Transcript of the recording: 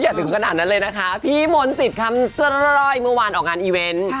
อย่าลืมขนาดนั้นเลยนะคะพี่มนติศคำสร้อยเมื่อวานออกงานอีเวนต์